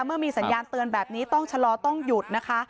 เมื่อมีสัญญาณเตือนแบบนี้ต้องชะลอต้องหยุดนะคะ